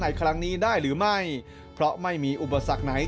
ในครั้งนี้ได้หรือไม่เพราะไม่มีอุปสรรคไหน